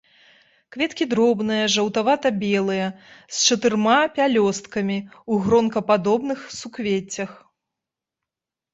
Кветкі дробныя, жаўтавата-белыя, з чатырма пялёсткамі, у гронкападобных суквеццях.